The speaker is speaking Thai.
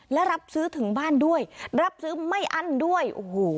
และรับซื้อถึงบ้านด้วยรับซื้อไม่อั้นด้วยโอ้โห